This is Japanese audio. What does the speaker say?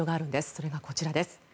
それがこちらです。